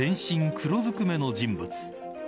黒ずくめの人物。